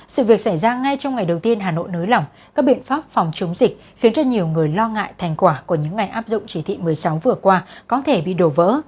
sự việc xảy ra ngay trong ngày đầu tiên hà nội nới lỏng các biện pháp phòng chống dịch khiến cho nhiều người lo ngại thành quả của những ngày áp dụng chỉ thị một mươi sáu vừa qua có thể bị đổ vỡ